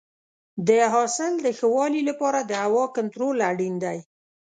د حاصل د ښه والي لپاره د هوا کنټرول اړین دی.